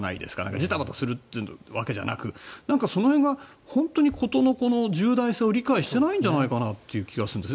ジタバタするわけじゃなくその辺が本当に事のこの重大さを理解してないんじゃないかなという気がするんですね。